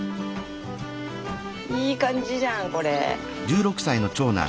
いい感じじゃんこれ。